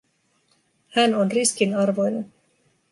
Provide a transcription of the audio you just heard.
Hän on riskin arvoinen.